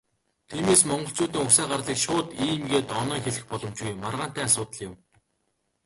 Тиймээс, монголчуудын угсаа гарлыг шууд "ийм" гээд оноон хэлэх боломжгүй, маргаантай асуудал юм.